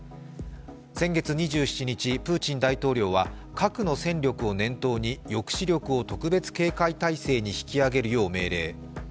先月２７日、プーチン大統領は核の戦力を念頭に抑止力を特別警戒態勢に引き上げるよう命令。